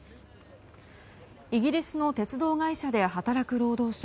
イギリスの鉄道会社で働く労働者